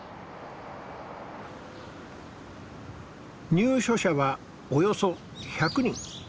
入所者はおよそ１００人。